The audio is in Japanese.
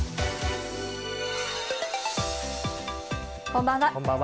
こんばんは。